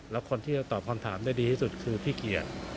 แล้วคนที่จะตอบคำถามได้ดีที่สุดคือพี่เกียร์